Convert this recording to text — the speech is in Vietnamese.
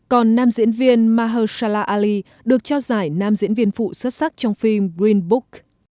còn nam diễn viên mahurshala ali được trao giải nam diễn viên phụ xuất sắc trong phim green book